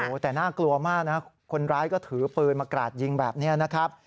โอ้โหแต่น่ากลัวมากนะคนร้ายก็ถือปืนมากราดยิงแบบนี้นะครับ